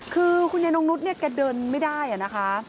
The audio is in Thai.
คือคุณยนต์องนุษย์เขาเดินไม่ได้นะคะ